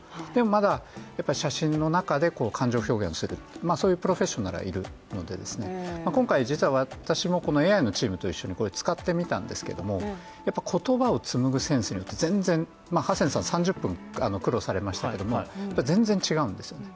まだやっぱり写真の中で感情表現をする、そういうプロフェッショナルはいるので今回、実は私もこのＡＩのチームと一緒にこれ使ってみたんですけども言葉をつむぐセンスによって全然、ハセンさん、３０分苦労されましたけれども全然違うんですよね。